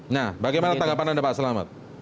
nah bagaimana tanggapan anda pak selamat